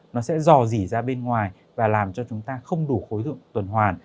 nó sẽ dò dỉ ra bên ngoài và làm cho chúng ta không đủ khối lượng tuần hoàn